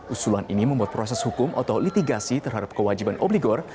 usulan ini membuat proses hukum atau litigasi terhadap kewajiban obligor